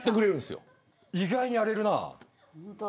意外にやれるな。